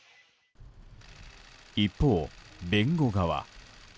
一方、弁護側。